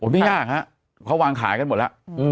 ไม่ยากฮะเขาวางขายกันหมดแล้ว